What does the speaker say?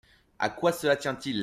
À quoi cela tient-il ?